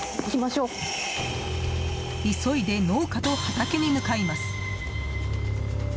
急いで農家と畑に向かいます。